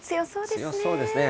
強そうですね。